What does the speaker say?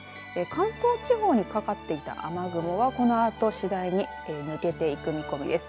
関東地方にかかっていた雨雲はこのあと次第に抜けていく見込みです。